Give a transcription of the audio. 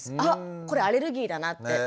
あっこれアレルギーだなって。